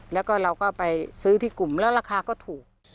แล้วก็เราก็ไปซื้อที่กลุ่มแล้วราคาก็ถูก